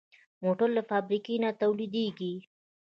موټر له فابریکې نه تولیدېږي.